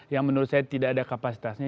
yang menurut saya tidak ada kapasitasnya